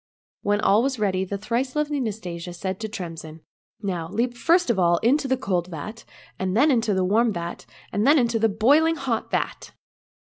When all was ready the thrice lovely Nastasia said to Tremsin, " Now, leap first of all into the cold vat, and then into the warm vat, and then into the boiling hot vat